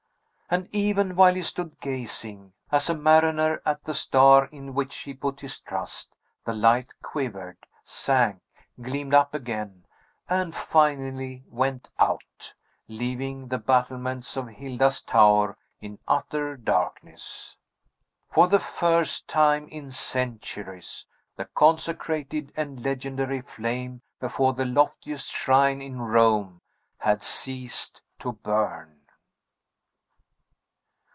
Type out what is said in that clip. And even while he stood gazing, as a mariner at the star in which he put his trust, the light quivered, sank, gleamed up again, and finally went out, leaving the battlements of Hilda's tower in utter darkness. For the first time in centuries, the consecrated and legendary flame before the loftiest shrine in Rome had ceased to burn.